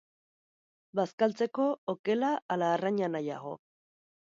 Bazkaltzeko, okela ala arraina nahiago?